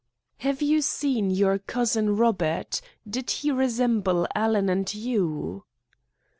"Have you seen your cousin Robert? Did he resemble Alan and you?"